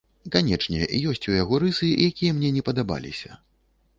Канечне, ёсць у яго рысы, якія мне не падабаліся.